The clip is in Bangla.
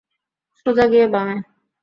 সোজা গিয়ে বামে।